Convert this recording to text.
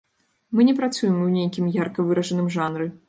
Мы не працуем у нейкім ярка выражаным жанры.